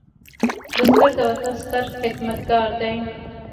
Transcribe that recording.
بزګر د وطن ستر خدمتګار دی